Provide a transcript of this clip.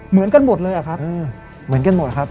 เหมือนกันหมดเลยอะครับเหมือนกันหมดครับ